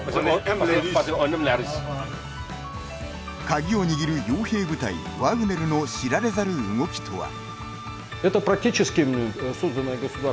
鍵を握る、よう兵部隊「ワグネル」の知られざる動きとは。